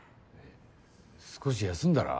少し休んだら？